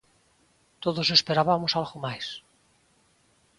Todos esperabamos algo máis.